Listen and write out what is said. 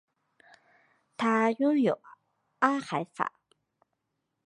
它拥有阿海珐。